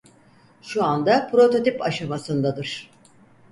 Şu anda prototip aşamasındadır.